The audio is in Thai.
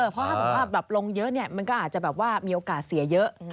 เพราะถ้าสมมติลงเยอะมันก็อาจจะมีโอกาสเสียเยอะ